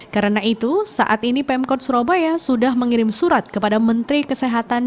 karena itu saat ini pemkot surabaya sudah mengirim surat kepada menteri kesehatan